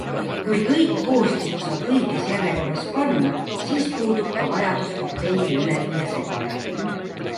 Kui kõik koostisosad õiges järjekorras panna, siis puudub ka vajadus kokteili üleliia segada.